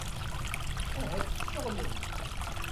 Ahat tceɣlem.